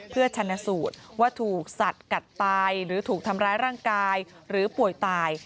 เพื่อชนะสูตรว่าถูกสัตว์กัดตายหรือถูกทำร้ายร่างกายหรือป่วยตาย